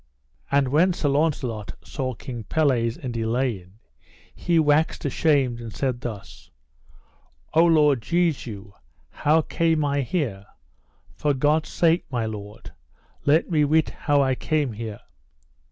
And when Sir Launcelot saw King Pelles and Elaine, he waxed ashamed and said thus: O Lord Jesu, how came I here? for God's sake, my lord, let me wit how I came here.